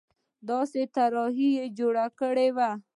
داسې طرحې جوړې کړو